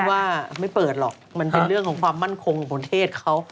ว่าไม่เปิดหรอกมันเป็นเรื่องของความมั่นคงของประเทศเขา